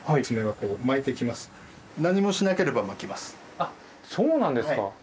あっそうなんですか。